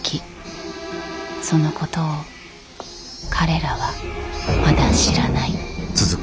そのことを彼らはまだ知らない。